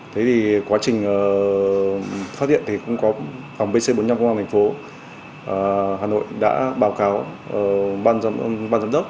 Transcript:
thế thì quá trình phát hiện thì cũng có phòng bc bốn mươi năm của hà nội đã báo cáo ban giám đốc